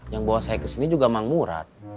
yang bawa saya kesini juga mang murad